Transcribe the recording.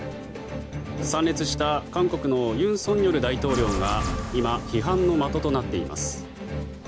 参列した韓国の尹錫悦大統領が今、批判の的となっています。